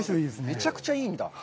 むちゃくちゃいいんだ。